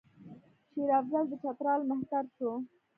شېر افضل د چترال مهتر شو.